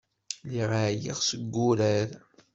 Lliɣ ɛyiɣ s wuṛaṛ.